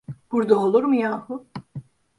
Burada olur mu yahu?